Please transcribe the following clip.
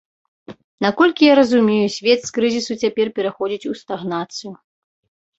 Наколькі я разумею, свет з крызісу цяпер пераходзіць у стагнацыю.